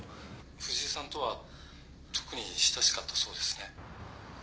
藤井さんとは特に親しかったそうですね。